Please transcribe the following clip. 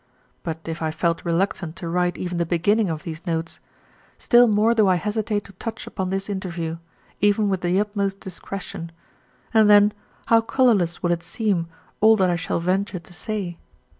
But if I felt reluctant to write even the beginning of these notes, still more do I hesitate to touch upon this interview, even with the utmost discretion, and then how colourless will it seem, all that I shall venture to say!